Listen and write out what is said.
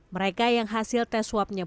mereka yang hasil tes swabnya